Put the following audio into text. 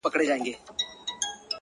راسه د يو بل اوښکي وچي کړو نور _